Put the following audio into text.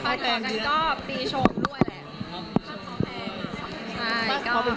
ฟาดก่อนเป็นแสดเลย